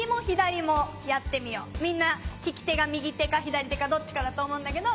みんな利き手が右手か左手かどっちかだと思うんだけど。